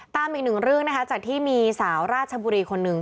ตามอีกหนึ่งเรื่องนะคะจากที่มีสาวราชบุรีคนหนึ่ง